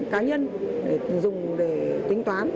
đá nhân dùng để tính toán